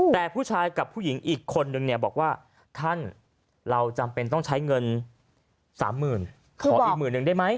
แต่ผู้ชายกับผู้หญิงอีกคนนึงเนี่ยบอกว่าท่านเราจำเป็นต้องใช้เงิน๓๐๐๐ขออีกหมื่นนึงได้ไหม